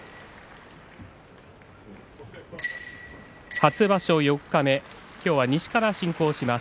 初場所四日目西から進行します。